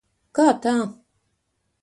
Kā tā?